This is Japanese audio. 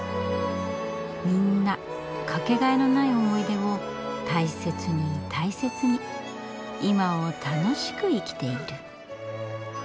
みんな掛けがえのない思い出を大切に大切に今を楽しく生きている。